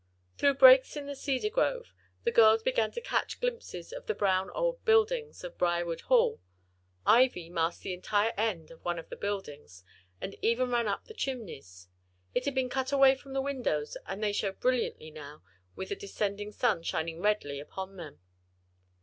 Through breaks in the cedar grove the girls began to catch glimpses of the brown old buildings of Briarwood Hall. Ivy masked the entire end of one of the buildings, and even ran up the chimneys. It had been cut away from the windows, and they showed brilliantly now with the descending sun shining redly upon them.